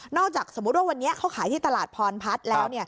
จากสมมุติว่าวันนี้เขาขายที่ตลาดพรพัฒน์แล้ว